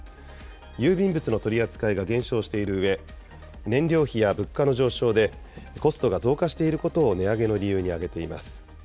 郵便物の取り扱いが減少しているうえ、燃料費や物価の上昇で、コストが増加していることを値上げの理由に挙げています。